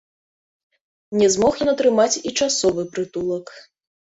Не змог ён атрымаць і часовы прытулак.